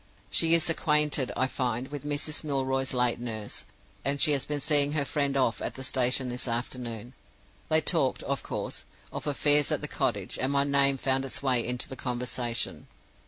"She is acquainted, I find, with Mrs. Milroy's late nurse; and she has been seeing her friend off at the station this afternoon. They talked, of course, of affairs at the cottage, and my name found its way into the conversation.